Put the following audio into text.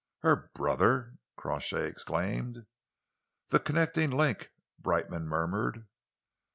"Her brother!" Crawshay exclaimed. "The connecting link!" Brightman murmured.